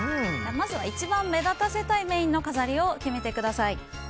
まずは一番目立たせたいメインの飾りを決めてください。